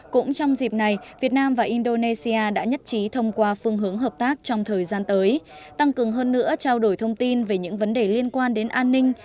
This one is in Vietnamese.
cũng trong dịp này việt nam và indonesia đã nhất trí thông qua phương hướng hợp tác trong thời gian tới tăng cường hơn nữa trao đổi thông tin về những vấn đề liên quan đến an ninh